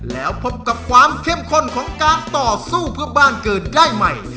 แล้วพบกับความเข้มข้นของการต่อสู้เพื่อบ้านเกิดได้ใหม่